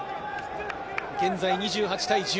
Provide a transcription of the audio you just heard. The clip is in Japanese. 現在２８対１０。